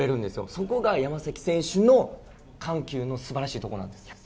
そこが山崎選手の緩急のすばらしいところなんですよ。